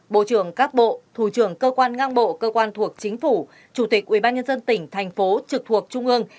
bộ trưởng các bộ thủ trưởng cơ quan ngang bộ cơ quan thuộc chính phủ chủ tịch ubnd tỉnh thành phố trực thuộc trung ương